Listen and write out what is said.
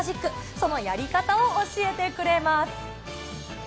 そのやり方を教えてくれます。